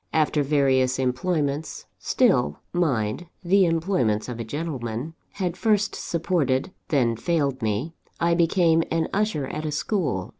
After various employments still, mind, the employments of a gentleman! had first supported, then failed me, I became an usher at a school.